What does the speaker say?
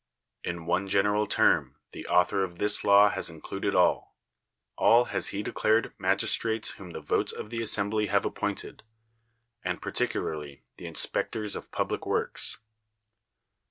In one general term the author of this law has included all. All has he declared "magistrates whom the votes of the assembly have appointed," and particular ly "the inspectors of public works."